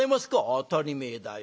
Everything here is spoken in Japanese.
「当たり前だよ。